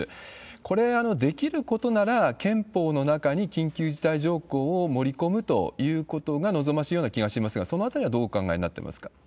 これ、できることなら憲法の中に緊急事態条項を盛り込むということが望ましいような気がしますが、そのあたりはどうお考えになってますか？